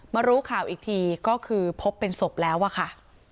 รู้ข่าวอีกทีก็คือพบเป็นศพแล้วอะค่ะ